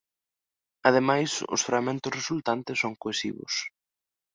Ademais os fragmentos resultantes son cohesivos.